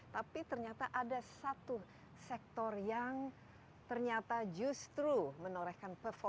tapi ternyata ada satu sektor yang ternyata justru menorehkan